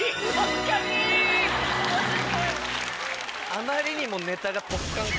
あまりにも。